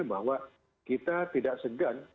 bahwa kita tidak segan